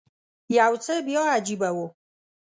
یو څه بیا عجیبه و.